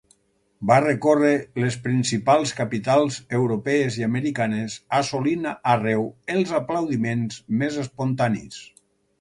Va recórrer les principals capitals europees i americanes, assolint arreu els aplaudiments més espontanis.